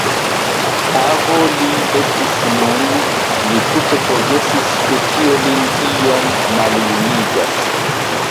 Avo li estis nun; li tute forgesis, ke tio lin iom maljunigas.